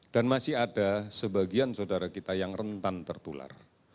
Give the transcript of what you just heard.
dan masih ada sebagian saudara kita yang rentan tertular